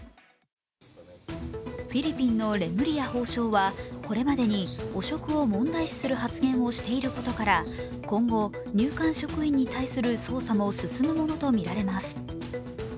フィリピンのレムリヤ法相はこれまでに汚職を問題視する発言をしていることから、今後、入管職員に対する捜査も進むものとみられます。